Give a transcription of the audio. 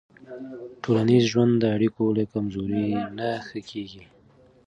ټولنیز ژوند د اړیکو له کمزورۍ نه ښه کېږي.